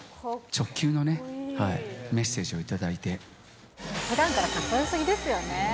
直球のメッセージを頂いて。ふだんからかっこよすぎですよね。